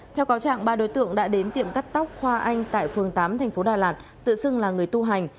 theo cáo trạng ba đối tượng đã đến tiệm cắt tóc hoa anh tại phường tám thành phố đà lạt tự xưng là người tu hành